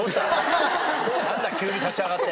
何だ急に立ち上がって。